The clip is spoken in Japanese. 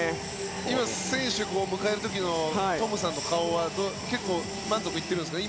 今、選手を迎える時のトムさんの顔は結構、満足いってるんですね。